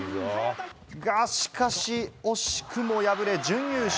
がしかし、惜しくも敗れ、準優勝。